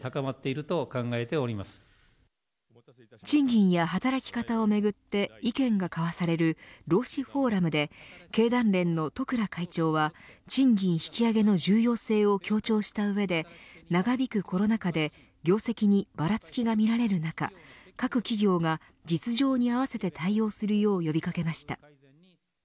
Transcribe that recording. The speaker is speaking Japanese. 賃金や働き方をめぐって意見が交わされる労使フォーラムで経団連の十倉会長は賃金引き上げの重要性を強調した上で、長引くコロナ禍で業績にばらつきが見られる中各企業が実情に合わせて対応するよう呼び掛けました。